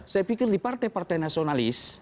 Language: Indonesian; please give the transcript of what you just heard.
saya pikir di partai partai nasionalis